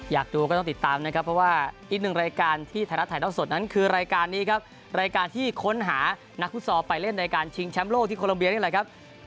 อยากดูก็ต้องติดตามนะครับเพราะว่าอีกหนึ่งรายการที่ไทยรัฐถ่ายเท่าสดนั้นคือรายการนี้ครับรายการที่ค้นหานักฟุตซอลไปเล่นในการชิงแชมป์โลกที่โคลัมเบียนี่แหละครับ